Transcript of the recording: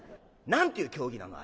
何ていう競技なの？